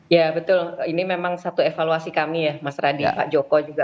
ya betul ini memang satu evaluasi kami ya mas radi pak joko juga